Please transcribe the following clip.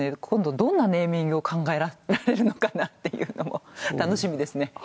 今度どんなネーミングを考えられるのかなっていうのも楽しみですね。